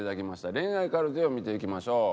恋愛カルテを見ていきましょう。